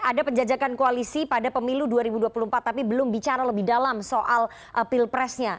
ada penjajakan koalisi pada pemilu dua ribu dua puluh empat tapi belum bicara lebih dalam soal pilpresnya